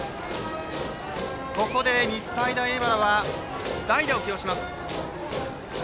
ここで日体大荏原は代打を起用します。